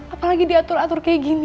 apalagi diatur atur kayak gini